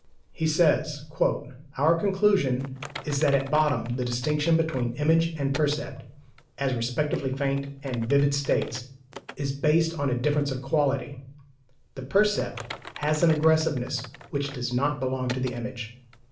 He says (I quote from the second edition): "Our conclusion is that at bottom the distinction between image and percept, as respectively faint and vivid states, is based on a difference of quality. The percept has an aggressiveness which does not belong to the image.